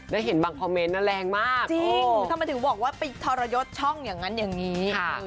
แล้วเห็นบางคอมเมนต์นะแรงมากทำไมถึงบอกว่าไปทรยศช่องอย่างนั้นอย่างนี้